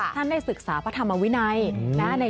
ท่านได้ศึกษาพระธรรมวินัยนะ